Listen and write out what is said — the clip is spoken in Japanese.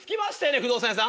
不動産屋さん？